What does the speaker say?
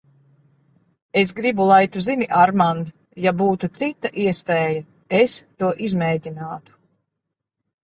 Es gribu, lai tu zini, Armand, ja būtu cita iespēja, es to izmēģinātu.